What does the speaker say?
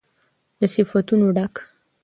له صفتونو ډک